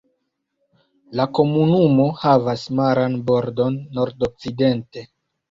La komunumo havas maran bordon nordokcidente.